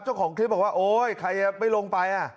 เจ้าของคลิปบอกว่าโอ๊ยใครไม่ลงไป